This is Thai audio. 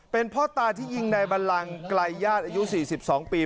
เป็นพ่อตาที่ยิงในบันลังไกลญาติอายุ๔๒ปี